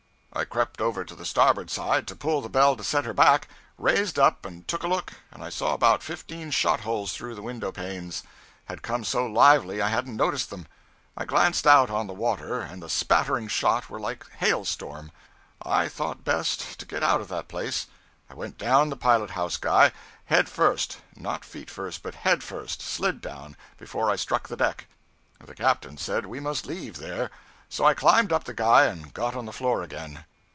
I crept over to the starboard side to pull the bell to set her back; raised up and took a look, and I saw about fifteen shot holes through the window panes; had come so lively I hadn't noticed them. I glanced out on the water, and the spattering shot were like a hailstorm. I thought best to get out of that place. I went down the pilot house guy, head first not feet first but head first slid down before I struck the deck, the captain said we must leave there. So I climbed up the guy and got on the floor again.